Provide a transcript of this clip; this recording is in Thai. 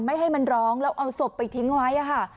ไม่ให้มันร้องแล้วเอาศพไปทิ้งไว้ค่ะ